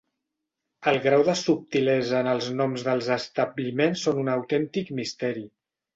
El grau de subtilesa en els noms dels establiments són un autèntic misteri.